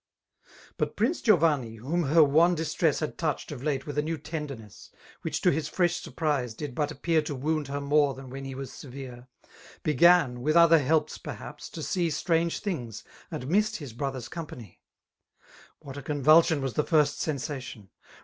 But Prince Giovanni^ whom her wan distress Hod touched, of late, with a new tenderness^ Which to his f vesh surprise did but appear To wound her more tium when he was severs. Began, with other helps peihaps» to see Strange things, and missed his brother's company* What a convulsion was the first sensation